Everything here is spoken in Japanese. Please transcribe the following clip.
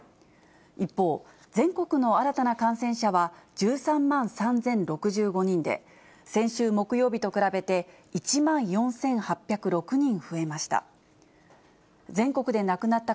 一方、全国の新たな感染者は１３万３０６５人で、先週木曜日と比べて１万４８０６人増えました。